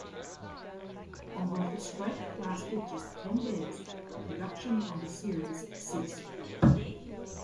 Although the strike lasted just ten days, production on the series ceased.